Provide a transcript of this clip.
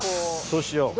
そうしよう。